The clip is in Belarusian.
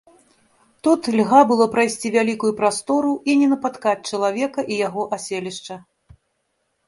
Тут льга было прайсці вялікую прастору і не напаткаць чалавека і яго аселішча.